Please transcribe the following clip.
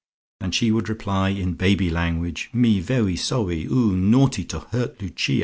And she would reply in baby language "Me vewy sowwy! Oo naughty too to hurt Lucia!"